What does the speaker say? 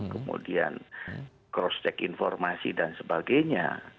kemudian cross check informasi dan sebagainya